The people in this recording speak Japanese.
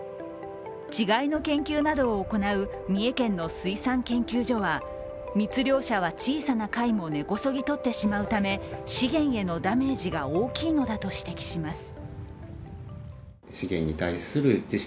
稚貝の研究などを行う三重県の水産研究所は密漁者は小さな貝も根こそぎ取ってしまうため、資源へのダメージが大きいのだと指摘します。